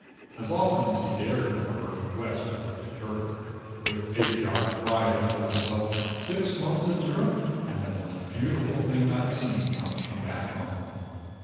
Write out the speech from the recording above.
As often as he dared, however, West looked at her. With patriotic pride he told himself: "Six months in Europe, and the most beautiful thing I've seen comes from back home!"